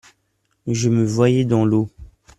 Je me voyais dans l’eau.